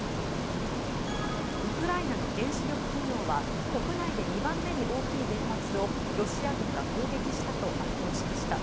ウクライナの原子力企業は国内で２番目に大きい原発をロシア軍が攻撃したと発表しました。